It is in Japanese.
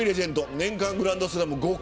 年間グランドスラム５回。